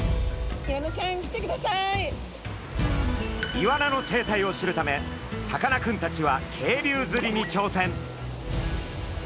イワナの生態を知るためさかなクンたちは渓流釣りにちょうせん。